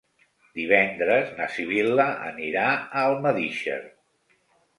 Divendres na Sibil·la anirà a Almedíxer.